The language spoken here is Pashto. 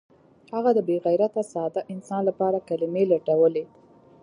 هغه د بې غیرته ساده انسان لپاره کلمې لټولې